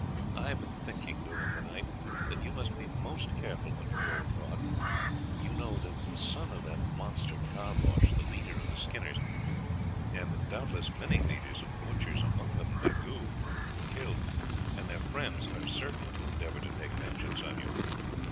I have been thinking during the night that you must be most careful when you go abroad; you know that the son of that monster Caboche, the leader of the skinners, and doubtless many leaders of the butchers, among them Legoix, were killed, and their friends are certain to endeavour to take vengeance on you.